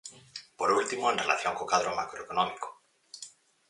Por último, en relación co cadro macroeconómico.